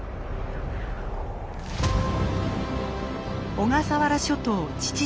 小笠原諸島・父島。